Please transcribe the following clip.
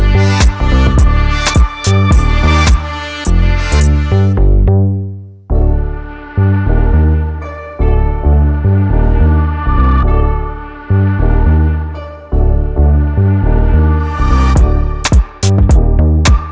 bagi kamu aku ingin tahu